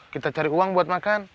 kita cari uang buat makan